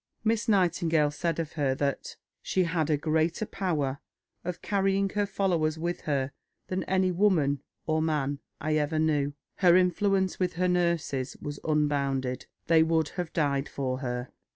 Miss Nightingale said of her that "she had a greater power of carrying her followers with her than any woman (or man) I ever knew." "Her influence with her nurses was unbounded. They would have died for her."